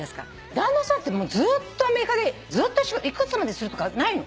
旦那さんってずっとアメリカで幾つまでするとかないの？